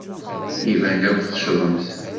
Iban akk teccḍemt.